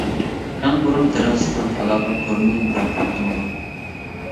ئەڭ بۇرۇن تىرانسپورت ئالاقە تورىنى بەرپا قىلغان.